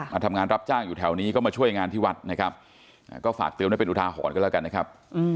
มาทำงานรับจ้างอยู่แถวนี้ก็มาช่วยงานที่วัดนะครับก็ฝากเตือนไว้เป็นอุทาหรณ์กันแล้วกันนะครับ